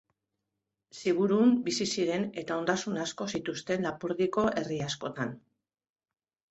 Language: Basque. Ziburun bizi ziren eta ondasun asko zituzten Lapurdiko herri askotan.